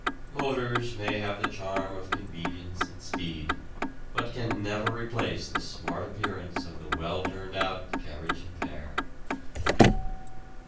Motors may have the charm of convenience and speed, but can never replace the smart appearance of the well turned out carriage and pair.